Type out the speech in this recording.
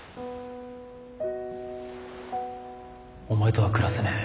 お前とは暮らせねえ。